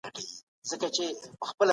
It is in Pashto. هر انسان باید همدرد وي.